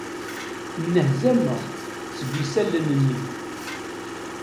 Nnehzameɣ seg isallen-nni.